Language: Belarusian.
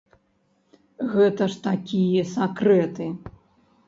Гэта ж такія сакрэты!